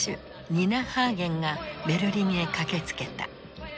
ニナ・ハーゲンがベルリンへ駆けつけた。